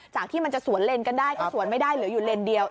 ที่มันจะสวนเลนกันได้ก็สวนไม่ได้เหลืออยู่เลนเดียว